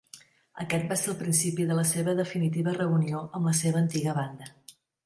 Aquest va ser el principi de la seva definitiva reunió amb la seva antiga banda.